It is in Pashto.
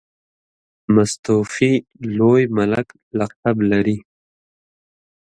مستوفي لوی ملک لقب لري.